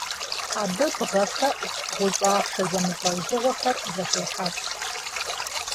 Абы бгъэхэӏу, гъущӏ ахъшэ зэмылӏэужьыгъуэхэр зэхуехьэс.